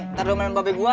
ntar lo main bobek gua